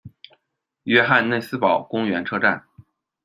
约翰内斯堡公园车站